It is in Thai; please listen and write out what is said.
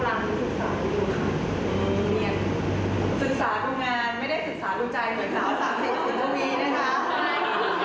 ได้มีอยู่แล้วค่ะเป็นนั่นได้เลยค่ะแต่ตอนนี้ก็กำลังจะศึกษาให้ดูค่ะ